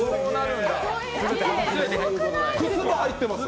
靴も入ってます！？